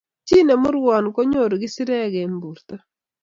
chi ne murwon ko nyoru kisirek eng' borto